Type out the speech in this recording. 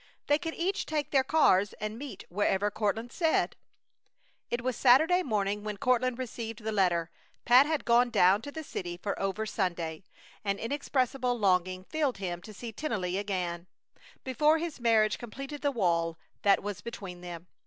They could each take their cars and meet wherever Courtland said. It was Saturday morning when Courtland received the letter. Pat had gone down to the city for over Sunday. An inexpressible longing filled him to see Tennelly again, before his marriage completed the wall that was between them.